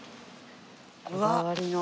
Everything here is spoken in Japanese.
こだわりの。